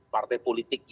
partai politik yang